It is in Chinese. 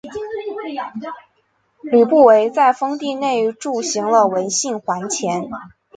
吕不韦在封地内铸行了文信圜钱。